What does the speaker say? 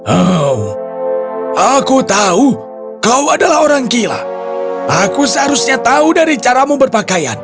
oh aku tahu kau adalah orang gila aku seharusnya tahu dari caramu berpakaian